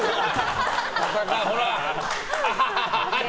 ほら！